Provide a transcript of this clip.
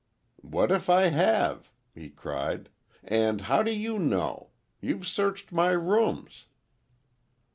"What if I have?" he cried, "and how do you know? You've searched my rooms!"